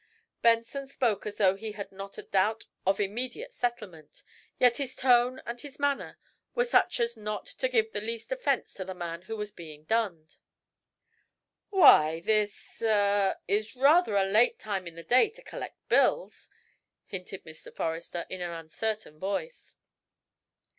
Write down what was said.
Benson spoke as though he had not a doubt of immediate settlement. Yet his tone and his manner were such as not to give the least offense to the man who was being "dunned." "Why, this er is rather a late time in the day to collect bills," hinted Mr. Forrester, in an uncertain voice.